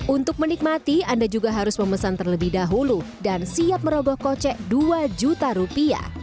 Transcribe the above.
untuk menikmati anda juga harus memesan terlebih dahulu dan siap meroboh kocek rp dua